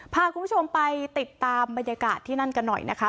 พาคุณผู้ชมไปติดตามบรรยากาศที่นั่นกันหน่อยนะคะ